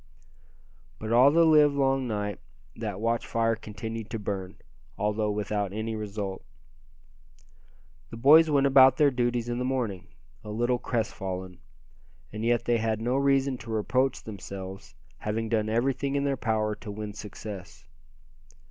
But all the live long night that watch fire continued to burn, although without any result. The boys went about their duties in the morning, a little crestfallen; and yet they had no reason to reproach themselves, having done everything in their power to win success.